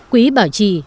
quỹ bảo trì